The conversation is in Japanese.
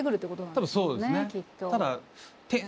多分そうですね。